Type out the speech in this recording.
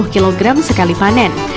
kilo gram sekali panen